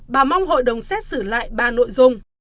bà mong hội đồng xét xử lại ba nội dung